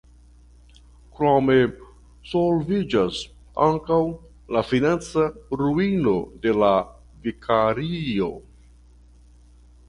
Krome solviĝas ankaŭ la financa ruino de la vikario.